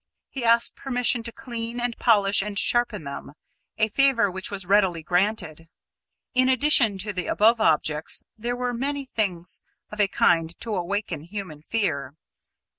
He asked permission to clean and polish and sharpen them a favour which was readily granted. In addition to the above objects, there were many things of a kind to awaken human fear.